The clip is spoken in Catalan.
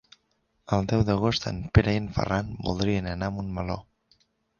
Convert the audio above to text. El deu d'agost en Pere i en Ferran voldrien anar a Montmeló.